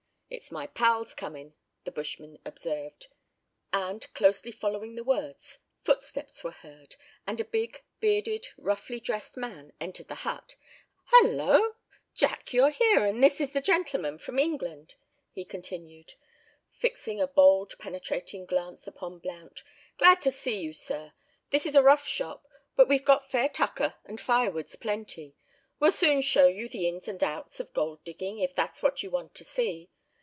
"It's my pals comin'," the bushman observed; and, closely following the words, footsteps were heard, and a big, bearded, roughly dressed man entered the hut. "Hullo! Jack, you're here, and this is the gentleman from England," he continued, fixing a bold, penetrating glance upon Blount. "Glad to see you, sir! This is a rough shop; but we've got fair tucker, and firewood's plenty. We'll soon show you the ins and outs of gold digging, if that's what you want to see.